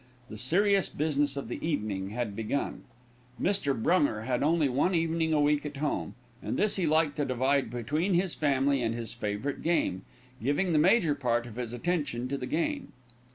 The serious business of the evening had begun. Mr. Brunger had only one evening a week at home, and this he liked to divide between his family and his favourite game, giving the major part of his attention to the game.